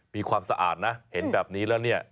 มีความสะอาดนะเห็นแบบนี้แล้วเนี่ย